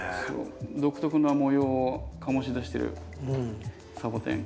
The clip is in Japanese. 独特な模様を醸し出してるサボテン。